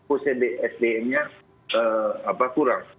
ocd sdm nya kurang